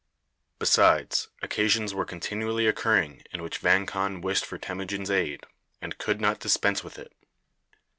Besides, occasions were continually occurring in which Vang Khan wished for Temujin's aid, and could not dispense with it.